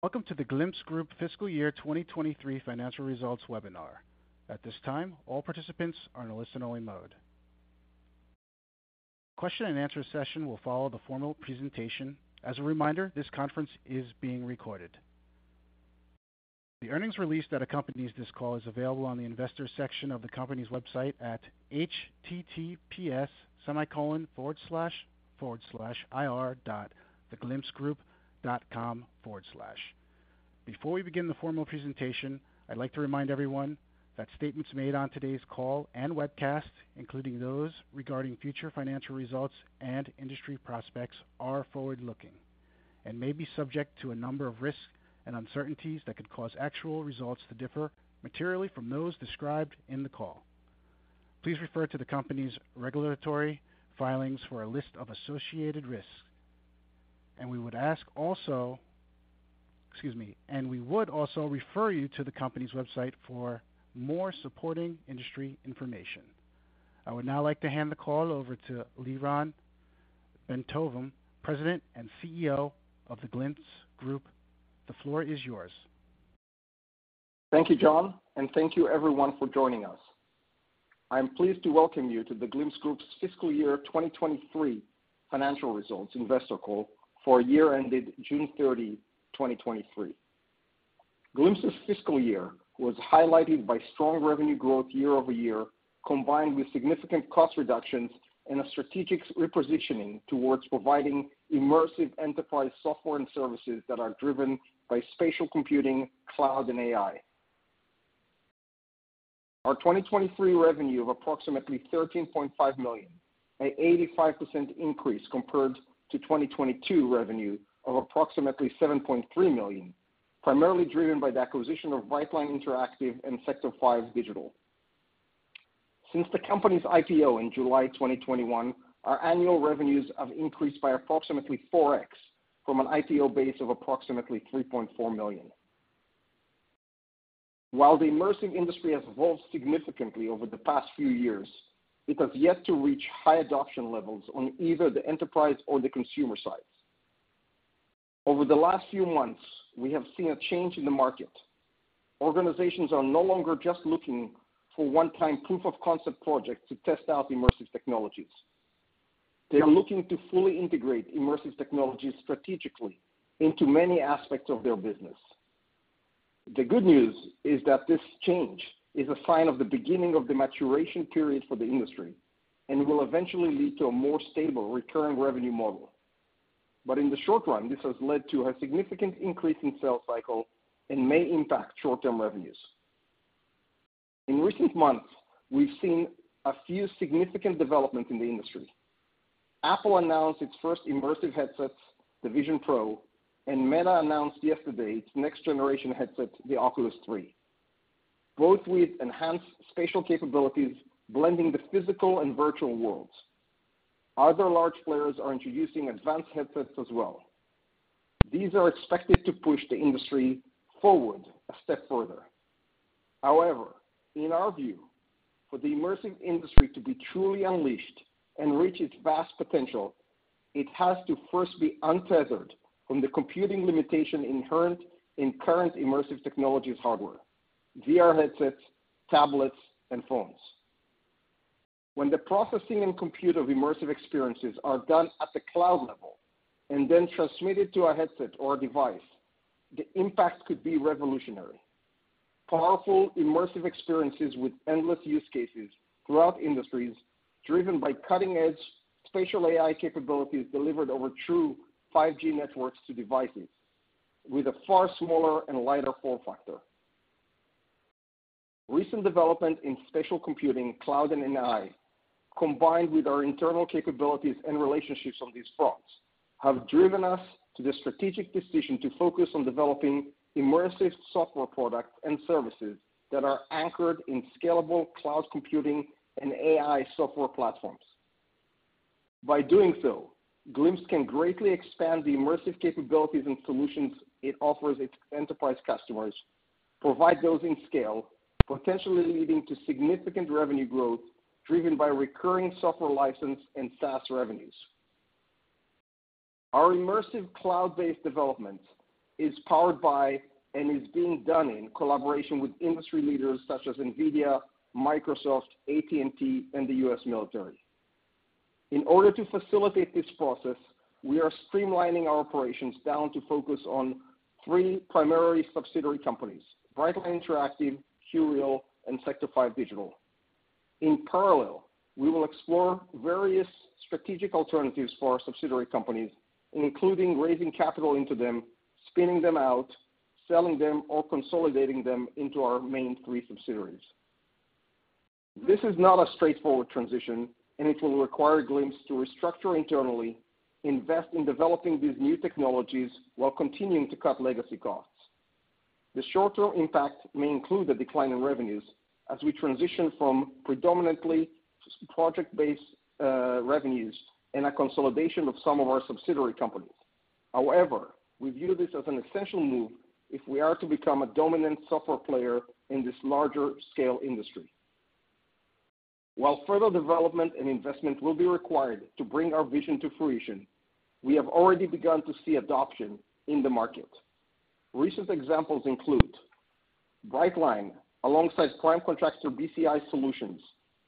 Welcome to The Glimpse Group Fiscal Year 2023 Financial Results Webinar. At this time, all participants are in a listen-only mode. Question-and-answer session will follow the formal presentation. As a reminder, this conference is being recorded. The earnings release that accompanies this call is available on the investor section of the company's website at https://ir.theglimpsegroup.com/. Before we begin the formal presentation, I'd like to remind everyone that statements made on today's call and webcast, including those regarding future financial results and industry prospects, are forward-looking and may be subject to a number of risks and uncertainties that could cause actual results to differ materially from those described in the call. Please refer to the company's regulatory filings for a list of associated risks, and we would also refer you to the company's website for more supporting industry information. I would now like to hand the call over to Lyron Bentovim, President and CEO of The Glimpse Group. The floor is yours. Thank you, John, and thank you everyone for joining us. I'm pleased to welcome you to The Glimpse Group's Fiscal Year 2023 Financial Results Investor Call for year ended June 30, 2023. Glimpse's fiscal year was highlighted by strong revenue growth year-over-year, combined with significant cost reductions and a strategic repositioning towards providing immersive enterprise software and services that are driven by spatial computing, cloud, and AI. Our 2023 revenue of approximately $13.5 million, an 85% increase compared to 2022 revenue of approximately $7.3 million, primarily driven by the acquisition of Brightline Interactive and Sector 5 Digital. Since the company's IPO in July 2021, our annual revenues have increased by approximately 4x, from an IPO base of approximately $3.4 million. While the immersive industry has evolved significantly over the past few years, it has yet to reach high adoption levels on either the enterprise or the consumer side. Over the last few months, we have seen a change in the market. Organizations are no longer just looking for one-time proof of concept projects to test out immersive technologies. They are looking to fully integrate immersive technologies strategically into many aspects of their business. The good news is that this change is a sign of the beginning of the maturation period for the industry, and will eventually lead to a more stable recurring revenue model. But in the short run, this has led to a significant increase in sales cycle and may impact short-term revenues. In recent months, we've seen a few significant developments in the industry. Apple announced its first immersive headsets, the Vision Pro, and Meta announced yesterday its next generation headset, the Oculus 3, both with enhanced spatial capabilities, blending the physical and virtual worlds. Other large players are introducing advanced headsets as well. These are expected to push the industry forward a step further. However, in our view, for the immersive industry to be truly unleashed and reach its vast potential, it has to first be untethered from the computing limitation inherent in current immersive technologies hardware, VR headsets, tablets, and phones. When the processing and compute of immersive experiences are done at the cloud level and then transmitted to a headset or a device, the impact could be revolutionary. Powerful, immersive experiences with endless use cases throughout industries, driven by cutting-edge spatial AI capabilities delivered over true 5G networks to devices with a far smaller and lighter form factor. Recent development in spatial computing, cloud and AI, combined with our internal capabilities and relationships on these fronts, have driven us to the strategic decision to focus on developing immersive software products and services that are anchored in scalable cloud computing and AI software platforms. By doing so, Glimpse can greatly expand the immersive capabilities and solutions it offers its enterprise customers, provide those in scale, potentially leading to significant revenue growth driven by recurring software license and SaaS revenues. Our immersive cloud-based development is powered by and is being done in collaboration with industry leaders such as NVIDIA, Microsoft, AT&T, and the U.S. military. In order to facilitate this process, we are streamlining our operations down to focus on three primary subsidiary companies, Brightline Interactive, QReal, and Sector 5 Digital. In parallel, we will explore various strategic alternatives for our subsidiary companies, including raising capital into them, spinning them out, selling them, or consolidating them into our main three subsidiaries. This is not a straightforward transition, and it will require Glimpse to restructure internally, invest in developing these new technologies while continuing to cut legacy costs. The short-term impact may include a decline in revenues as we transition from predominantly project-based revenues and a consolidation of some of our subsidiary companies. However, we view this as an essential move if we are to become a dominant software player in this larger-scale industry. While further development and investment will be required to bring our vision to fruition, we have already begun to see adoption in the market. Recent examples include Brightline, alongside prime contractor BCI Solutions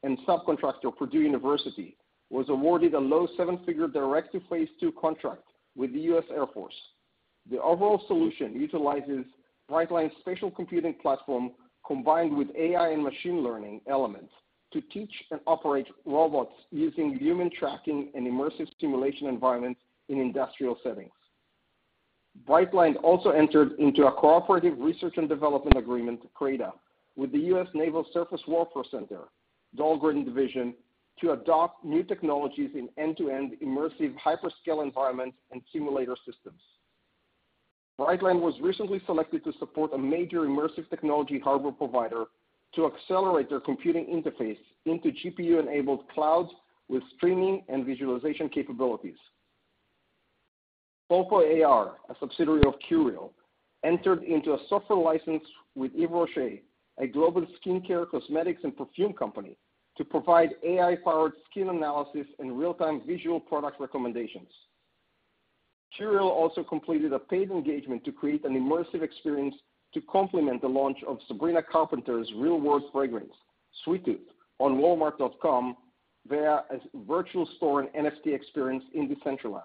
and subcontractor Purdue University, was awarded a low seven-figure direct-to-phase-two contract with the U.S. Air Force. The overall solution utilizes Brightline's spatial computing platform, combined with AI and machine learning elements, to teach and operate robots using human tracking and immersive simulation environments in industrial settings. Brightline also entered into a cooperative research and development agreement, CRADA, with the U.S. Naval Surface Warfare Center, Dahlgren Division, to adopt new technologies in end-to-end immersive hyperscale environments and simulator systems. Brightline was recently selected to support a major immersive technology hardware provider to accelerate their computing interface into GPU-enabled clouds with streaming and visualization capabilities. Poplar AR, a subsidiary of QReal, entered into a software license with Yves Rocher, a global skincare, cosmetics, and perfume company, to provide AI-powered skin analysis and real-time visual product recommendations. QReal also completed a paid engagement to create an immersive experience to complement the launch of Sabrina Carpenter's real-world fragrance, Sweet Tooth, on Walmart.com, via a virtual store and NFT experience in Decentraland.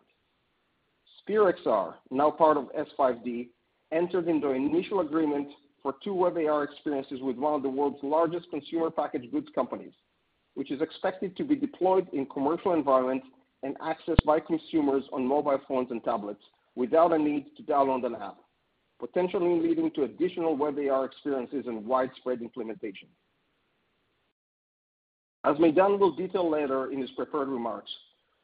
Sphere XR, now part of S5D, entered into an initial agreement for two WebAR experiences with one of the world's largest consumer packaged goods companies, which is expected to be deployed in commercial environments and accessed by consumers on mobile phones and tablets without a need to download an app, potentially leading to additional WebAR experiences and widespread implementation. As Maydan will detail later in his prepared remarks,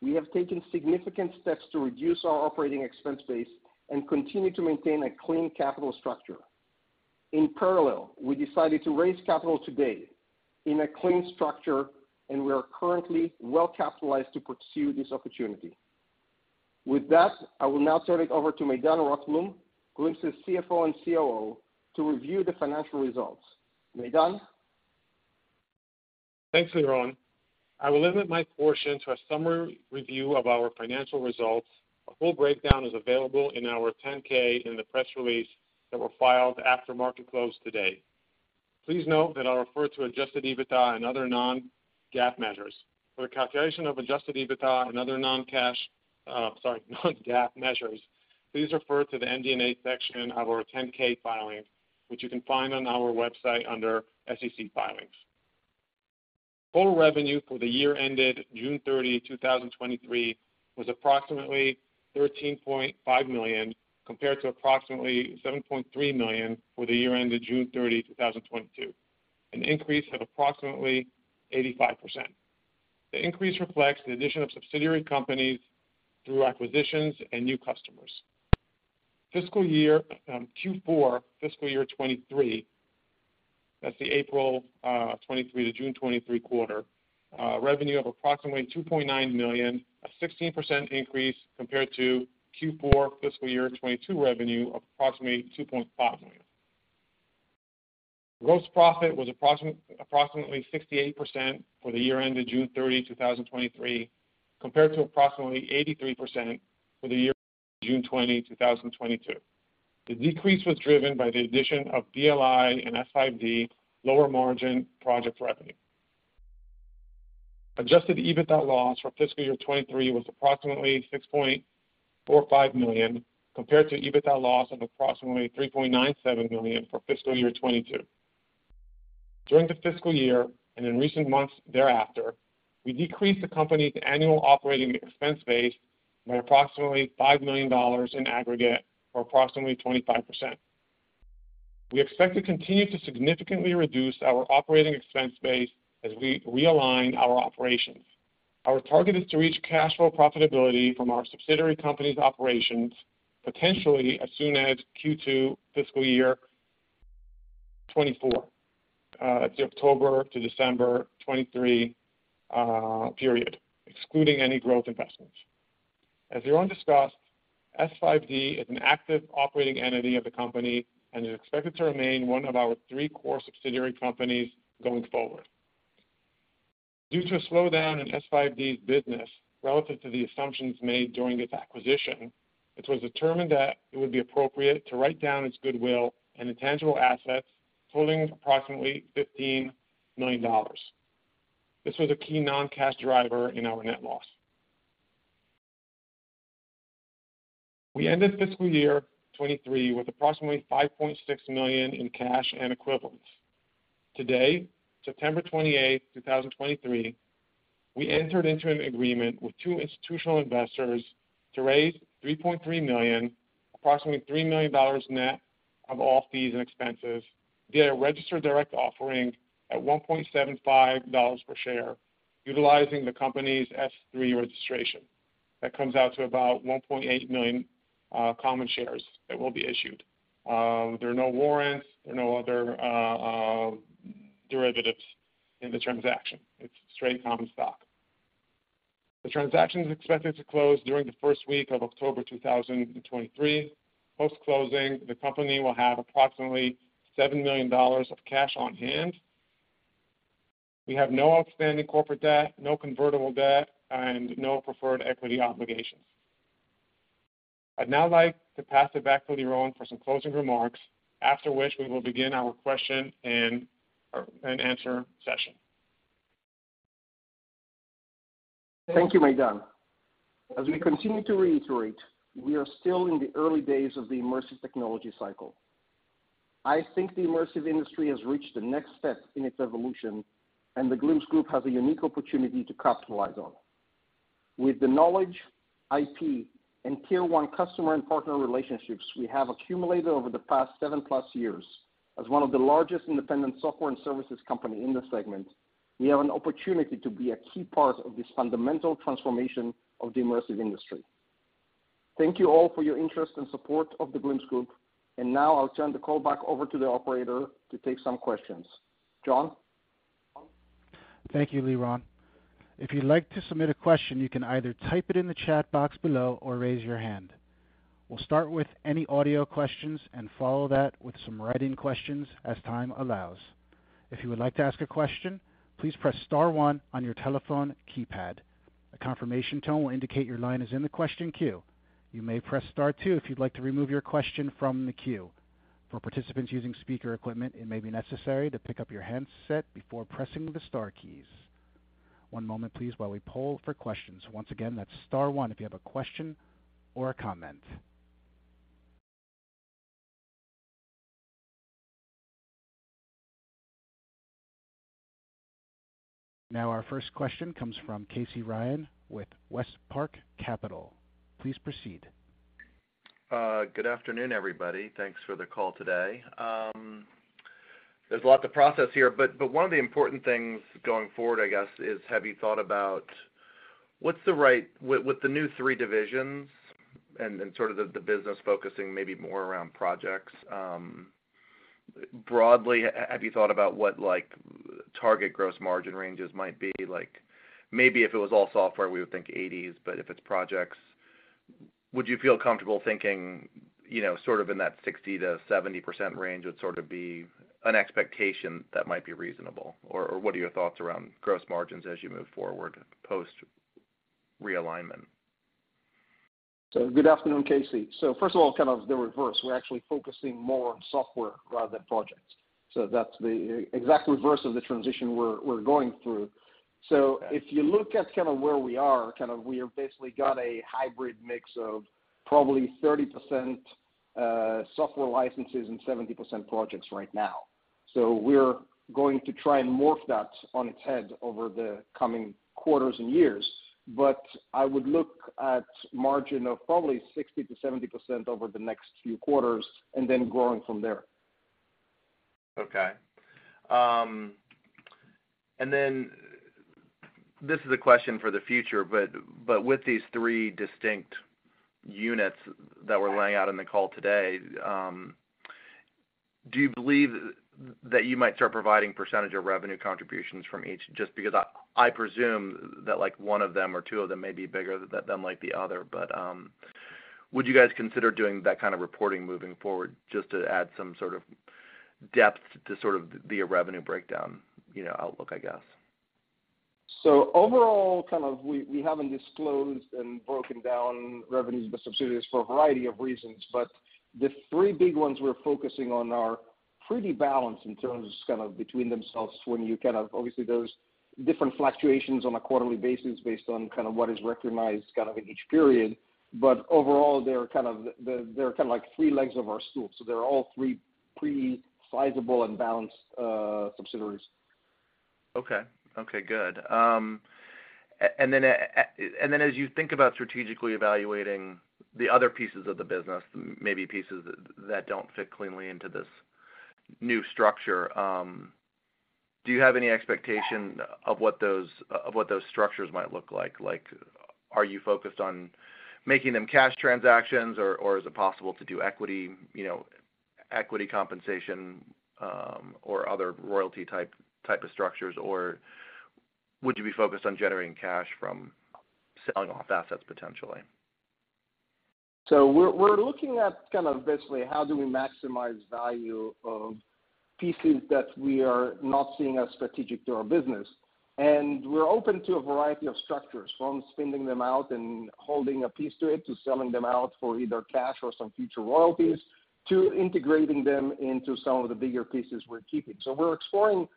we have taken significant steps to reduce our operating expense base and continue to maintain a clean capital structure. In parallel, we decided to raise capital today in a clean structure, and we are currently well-capitalized to pursue this opportunity. With that, I will now turn it over to Maydan Rothblum, Glimpse's CFO and COO, to review the financial results. Maydan? Thanks, Lyron. I will limit my portion to a summary review of our financial results. A full breakdown is available in our 10-K in the press release that were filed after market close today. Please note that I'll refer to Adjusted EBITDA and other non-GAAP measures. For the calculation of Adjusted EBITDA and other non-cash, sorry, non-GAAP measures, please refer to the MD&A section of our 10-K filing, which you can find on our website under SEC Filings. Total revenue for the year ended June 30, 2023, was approximately $13.5 million, compared to approximately $7.3 million for the year ended June 30, 2022, an increase of approximately 85%. The increase reflects the addition of subsidiary companies through acquisitions and new customers. Fiscal year Q4, fiscal year 2023, that's the April 2023 to June 2023 quarter, revenue of approximately $2.9 million, a 16% increase compared to Q4 fiscal year 2022 revenue of approximately $2.5 million. Gross profit was approximately 68% for the year ended June 30, 2023, compared to approximately 83% for the year ended June 30, 2022. The decrease was driven by the addition of BLI and S5D lower margin project revenue. Adjusted EBITDA loss for fiscal year 2023 was approximately $6.45 million, compared to EBITDA loss of approximately $3.97 million for fiscal year 2022. During the fiscal year and in recent months thereafter, we decreased the company's annual operating expense base by approximately $5 million in aggregate, or approximately 25%. We expect to continue to significantly reduce our operating expense base as we realign our operations. Our target is to reach cash flow profitability from our subsidiary company's operations, potentially as soon as Q2 fiscal year 2024, that's the October to December 2023 period, excluding any growth investments. As Lyron discussed, S5D is an active operating entity of the company and is expected to remain one of our three core subsidiary companies going forward. Due to a slowdown in S5D's business relative to the assumptions made during its acquisition, it was determined that it would be appropriate to write down its goodwill and intangible assets, totaling approximately $15 million. This was a key non-cash driver in our net loss. We ended fiscal year 2023 with approximately 5.6 million in cash and equivalents. Today, September 28, 2023, we entered into an agreement with two institutional investors to raise $3.3 million, approximately $3 million net of all fees and expenses, via a registered direct offering at $1.75 per share, utilizing the company's S3 registration. That comes out to about 1.8 million common shares that will be issued. There are no warrants, there are no other derivatives in the transaction. It's straight common stock.... The transaction is expected to close during the first week of October 2023. Post-closing, the company will have approximately $7 million of cash on hand. We have no outstanding corporate debt, no convertible debt, and no preferred equity obligations. I'd now like to pass it back to Lyron for some closing remarks, after which we will begin our question and answer session. Thank you, Maydan. As we continue to reiterate, we are still in the early days of the immersive technology cycle. I think the immersive industry has reached the next step in its evolution, and The Glimpse Group has a unique opportunity to capitalize on it. With the knowledge, IP, and tier one customer and partner relationships we have accumulated over the past 7+ years, as one of the largest independent software and services company in this segment, we have an opportunity to be a key part of this fundamental transformation of the immersive industry. Thank you all for your interest and support of The Glimpse Group, and now I'll turn the call back over to the operator to take some questions. John? Thank you, Lyron. If you'd like to submit a question, you can either type it in the chat box below or raise your hand. We'll start with any audio questions and follow that with some write-in questions as time allows. If you would like to ask a question, please press star one on your telephone keypad. A confirmation tone will indicate your line is in the question queue. You may press star two if you'd like to remove your question from the queue. For participants using speaker equipment, it may be necessary to pick up your handset before pressing the star keys. One moment please, while we poll for questions. Once again, that's star one if you have a question or a comment. Now, our first question comes from Casey Ryan with Westpark Capital. Please proceed. Good afternoon, everybody. Thanks for the call today. There's a lot to process here, but one of the important things going forward, I guess, is have you thought about what's the right with the new three divisions and sort of the business focusing maybe more around projects, broadly, have you thought about what, like, target gross margin ranges might be? Like, maybe if it was all software, we would think 80s%, but if it's projects, would you feel comfortable thinking, you know, sort of in that 60%-70% range would sort of be an expectation that might be reasonable? Or what are your thoughts around gross margins as you move forward, post-realignment? So good afternoon, Casey. So first of all, kind of the reverse. We're actually focusing more on software rather than projects. So that's the exact reverse of the transition we're going through. So- Okay. If you look at kind of where we are, kind of we have basically got a hybrid mix of probably 30% software licenses and 70% projects right now. So we're going to try and morph that on its head over the coming quarters and years. But I would look at margin of probably 60%-70% over the next few quarters, and then growing from there. Okay. And then this is a question for the future, but with these three distinct units that we're laying out in the call today, do you believe that you might start providing percentage of revenue contributions from each? Just because I presume that, like, one of them or two of them may be bigger than the other, but would you guys consider doing that kind of reporting moving forward, just to add some sort of depth to the revenue breakdown, you know, outlook, I guess? Overall, kind of we haven't disclosed and broken down revenues by subsidiaries for a variety of reasons, but the three big ones we're focusing on are pretty balanced in terms of kind of between themselves when you kind of—obviously, there's different fluctuations on a quarterly basis based on kind of what is recognized kind of in each period. But overall, they're kind of—they're kind of like three legs of our stool, so they're all three pretty sizable and balanced subsidiaries. Okay. Okay, good. And then, as you think about strategically evaluating the other pieces of the business, maybe pieces that don't fit cleanly into this new structure, do you have any expectation of what those, of what those structures might look like? Like, are you focused on making them cash transactions, or, or is it possible to do equity, you know, equity compensation, or other royalty type, type of structures? Or would you be focused on generating cash from selling off assets potentially? So we're looking at kind of basically how do we maximize value of pieces that we are not seeing as strategic to our business. And we're open to a variety of structures, from spinning them out and holding a piece to it, to selling them out for either cash or some future royalties, to integrating them into some of the bigger pieces we're keeping. So we're exploring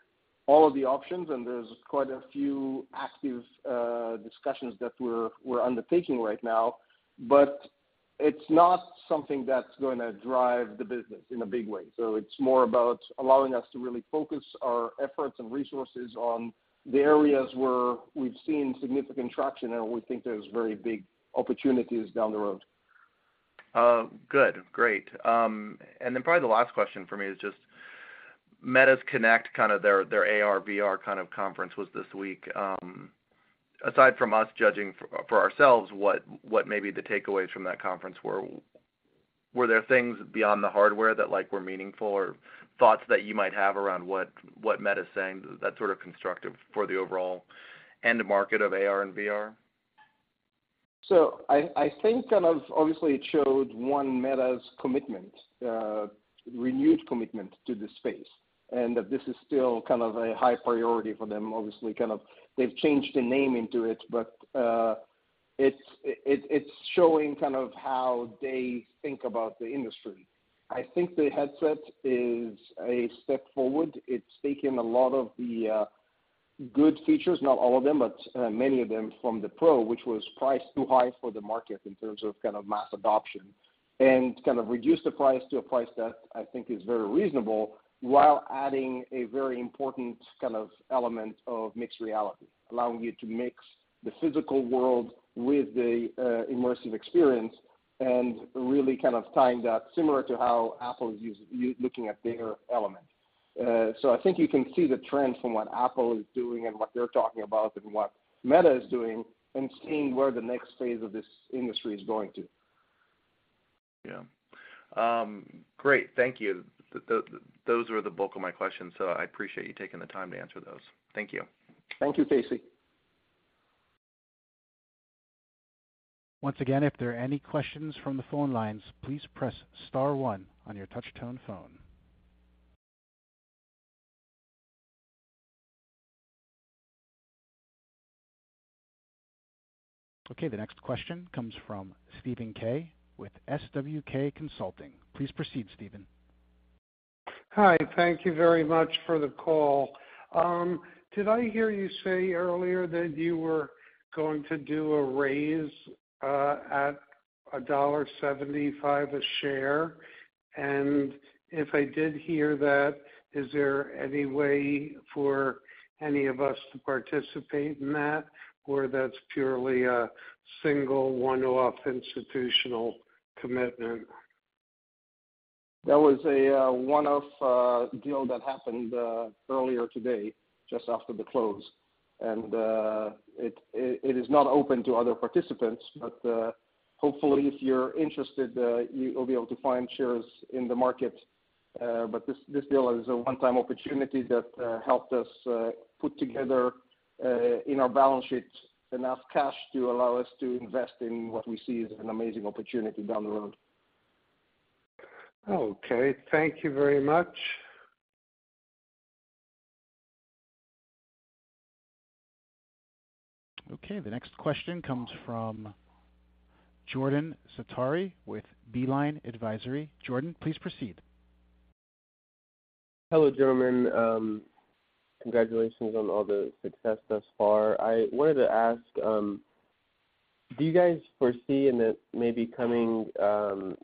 all of the options, and there's quite a few active discussions that we're undertaking right now, but it's not something that's going to drive the business in a big way. So it's more about allowing us to really focus our efforts and resources on the areas where we've seen significant traction, and we think there's very big opportunities down the road. Good. Great. And then probably the last question for me is just Meta Connect, kind of their, their AR/VR kind of conference was this week. Aside from us judging for ourselves, what may be the takeaways from that conference were? Were there things beyond the hardware that, like, were meaningful or thoughts that you might have around what Meta is saying that's sort of constructive for the overall end market of AR and VR? So I, I think kind of obviously it showed, one, Meta's commitment, renewed commitment to this space, and that this is still kind of a high priority for them. Obviously, kind of, they've changed the naming to it, but, it's, it, it's showing kind of how they think about the industry. I think the headset is a step forward. It's taking a lot of the good features, not all of them, but many of them from the Pro, which was priced too high for the market in terms of kind of mass adoption, and kind of reduced the price to a price that I think is very reasonable, while adding a very important kind of element of mixed reality, allowing you to mix the physical world with the immersive experience and really kind of tying that similar to how Apple is using looking at their element. So I think you can see the trend from what Apple is doing and what they're talking about and what Meta is doing, and seeing where the next phase of this industry is going to. Yeah. Great. Thank you. Those were the bulk of my questions, so I appreciate you taking the time to answer those. Thank you. Thank you, Casey. Once again, if there are any questions from the phone lines, please press star one on your touch tone phone. Okay, the next question comes from Steven Kay with SWK Consulting. Please proceed, Steven. Hi, thank you very much for the call. Did I hear you say earlier that you were going to do a raise, at $1.75 a share? And if I did hear that, is there any way for any of us to participate in that, or that's purely a single one-off institutional commitment? That was a one-off deal that happened earlier today, just after the close. It is not open to other participants, but hopefully, if you're interested, you will be able to find shares in the market. But this deal is a one-time opportunity that helped us put together in our balance sheet enough cash to allow us to invest in what we see as an amazing opportunity down the road. Okay, thank you very much. Okay, the next question comes from Jordan Satary with Beeline Advisory. Jordan, please proceed. Hello, gentlemen. Congratulations on all the success thus far. I wanted to ask, do you guys foresee in the maybe coming 12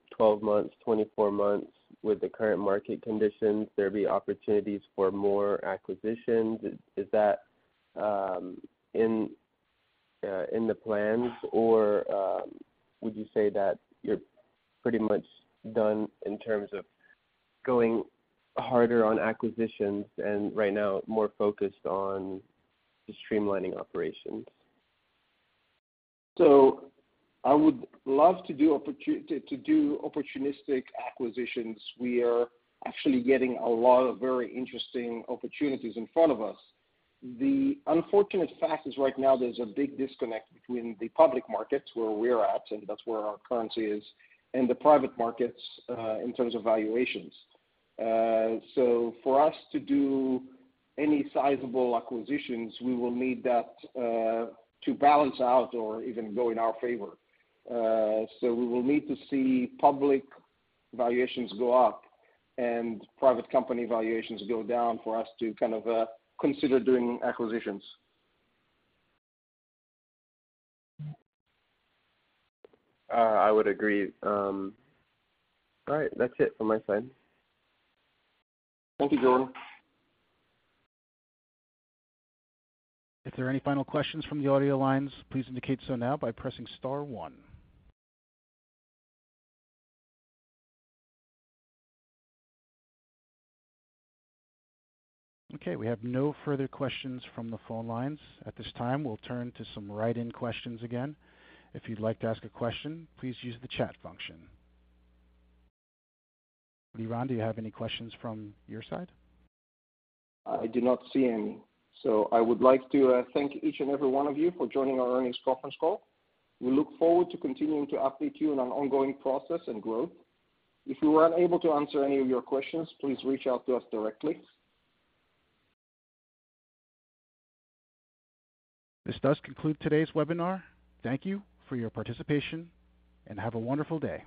months, 24 months with the current market conditions, there be opportunities for more acquisitions? Is that in the plans? Or, would you say that you're pretty much done in terms of going harder on acquisitions and right now more focused on just streamlining operations? So I would love to do opportunistic acquisitions. We are actually getting a lot of very interesting opportunities in front of us. The unfortunate fact is, right now, there's a big disconnect between the public markets, where we're at, and that's where our currency is, and the private markets, in terms of valuations. So for us to do any sizable acquisitions, we will need that to balance out or even go in our favor. So we will need to see public valuations go up and private company valuations go down for us to kind of consider doing acquisitions. I would agree. All right, that's it from my side. Thank you, Jordan. If there are any final questions from the audio lines, please indicate so now by pressing star one. Okay, we have no further questions from the phone lines. At this time, we'll turn to some write-in questions again. If you'd like to ask a question, please use the chat function. Lyron, do you have any questions from your side? I do not see any. I would like to thank each and every one of you for joining our earnings conference call. We look forward to continuing to update you on our ongoing process and growth. If we were unable to answer any of your questions, please reach out to us directly. This does conclude today's webinar. Thank you for your participation, and have a wonderful day.